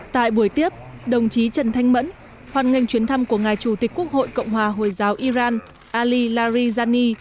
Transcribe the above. tại buổi tiếp đồng chí trần thanh mẫn hoàn ngành chuyến thăm của ngài chủ tịch quốc hội cộng hòa hồi giáo iran ali larijani